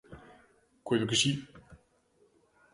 Coido que si.